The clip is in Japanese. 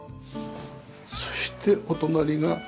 そしてお隣が。